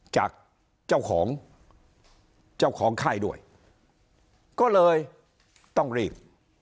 จากเจ้าของข้ายด้วยก็เลยต้องรีบ